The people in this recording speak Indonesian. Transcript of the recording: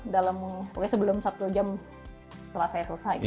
dalam oke sebelum satu jam setelah saya selesai gitu